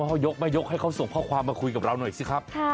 เขายกไม่ยกให้เขาส่งข้อความมาคุยกับเราหน่อยสิครับ